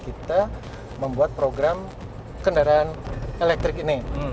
kita membuat program kendaraan elektrik ini